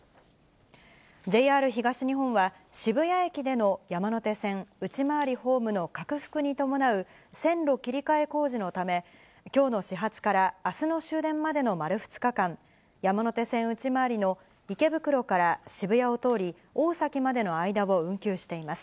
ＪＲ東日本は、渋谷駅での山手線内回りホームの拡幅に伴う線路切り替え工事のため、きょうの始発からあすの終電までの丸２日間、山手線内回りの池袋から渋谷を通り、大崎までの間を運休しています。